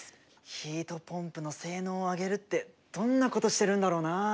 ヒートポンプの性能を上げるってどんなことしてるんだろうなあ？